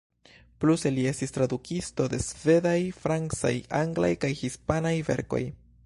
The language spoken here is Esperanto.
Pluse li estis tradukisto de svedaj, francaj, anglaj kaj hispanaj verkoj.